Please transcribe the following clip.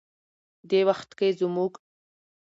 دې وخت کې زموږ